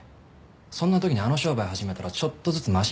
そんな時にあの商売始めたらちょっとずつマシになったんだよ。